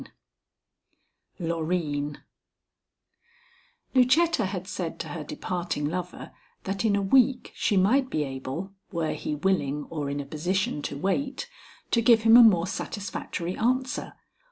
XVI LOREEN Lucetta had said to her departing lover, that in a week she might be able (were he willing or in a position to wait) to give him a more satisfactory answer.